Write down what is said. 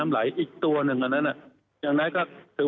มันมีสวงสูงแน่